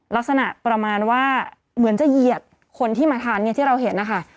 ลักษณะประมาณว่าเหมือนจะเหยียดคนที่มาทานเนี่ยที่เราเห็นนะคะ